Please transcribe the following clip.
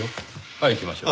はい行きましょう。